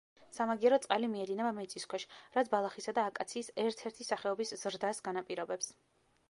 სამაგიეროდ, წყალი მიედინება მიწისქვეშ, რაც ბალახისა და აკაციის ერთ-ერთი სახეობის ზრდას განაპირობებს.